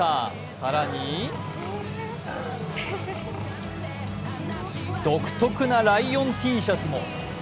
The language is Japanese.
更に、独特なライオンＴシャツも。